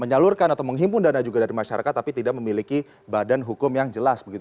menyalurkan atau menghimpun dana juga dari masyarakat tapi tidak memiliki badan hukum yang jelas begitu